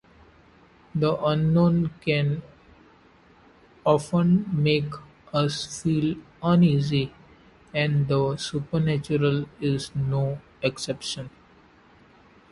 The unknown can often make us feel uneasy, and the supernatural is no exception.